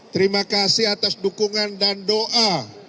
terima kasih atas dukungan dan doa